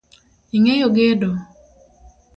Ing’eyo gedo?